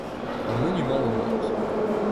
Un monument aux morts.